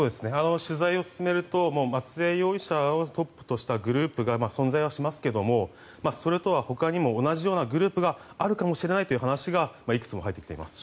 取材を進めると松江容疑者をトップとしたグループが存在はしますがそれとは他にも同じようなグループがあるかもしれないという話がいくつも入ってきています。